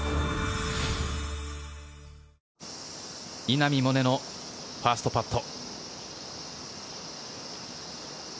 稲見萌寧のファーストパット。